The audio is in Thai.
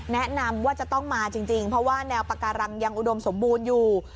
แนะนำว่าจะต้องมาจริงเพราะว่าแนวปาการังยังอุดมสมบูรณ์อยู่